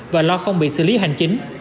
và lo không bị xử lý hành chính